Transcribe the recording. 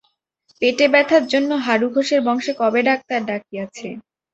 পেটে ব্যথার জন্য হারু ঘোষের বংশে কবে ডাক্তার ডাকিয়াছে?